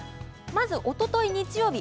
おととい日曜日